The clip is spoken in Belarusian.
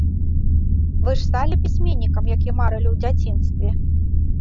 Вы ж сталі пісьменнікам, як і марылі ў дзяцінстве.